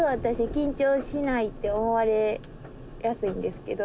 緊張しないって思われやすいんですけど。